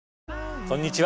こんにちは。